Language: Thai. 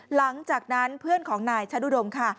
หลังจากนั้นเพื่อนของนายชะดุดมค่ะ